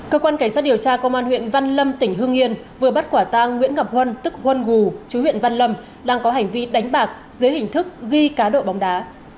cơ quan cảnh sát điều tra công an huyện văn lâm tỉnh hương yên vừa bắt quả tang nguyễn ngọc huân tức huân gù chú huyện văn lâm đang có hành vi đánh bạc dưới hình thức ghi cá độ bóng đá